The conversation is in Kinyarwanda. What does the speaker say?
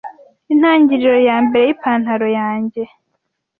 intangiriro yambere yipantaro yanjye